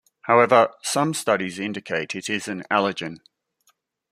However, some studies indicate it is an allergen.